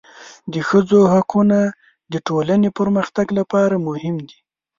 د ښځو حقونه د ټولنې پرمختګ لپاره مهم دي.